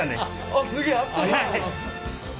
あっすげえあったかい。